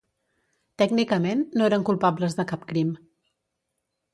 Tècnicament, no eren culpables de cap crim.